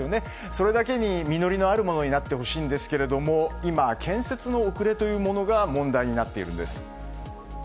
それだけに、実りのあるものになってほしいですが今、建設の遅れが問題になっているんです。